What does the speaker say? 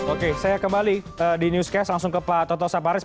oke saya kembali di newscast langsung ke pak toto saparis